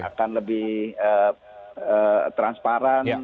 akan lebih transparan